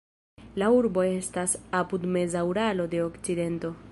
La urbo estas apud meza Uralo de okcidento.